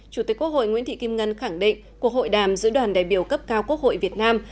chủ tịch quốc hội nguyễn thị kim ngân khẳng định cuộc hội đàm giữa đoàn đại biểu cấp cao quốc hội việt nam